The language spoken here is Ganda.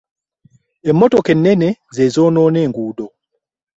Emmotoka ennene ze zoonoona enguudo.